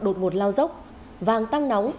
đột ngột lao dốc vàng tăng nóng